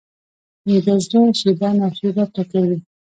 ویده زړه شېبه نا شېبه ټکوي